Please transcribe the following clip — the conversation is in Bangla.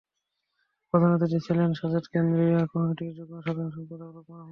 প্রধান অতিথি ছিলেন জাসদ কেন্দ্রীয় কমিটির যুগ্ম সাধারণ সম্পাদক লোকমান আহমদ।